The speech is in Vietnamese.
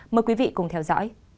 mời quý vị cùng theo dõi